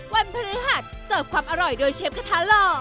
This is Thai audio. วันพฤหัสเสิร์ฟความอร่อยโดยเชฟกระทะหล่อ